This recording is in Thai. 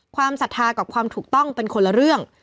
ศรัทธากับความถูกต้องเป็นคนละเรื่อง